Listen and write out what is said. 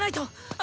あ。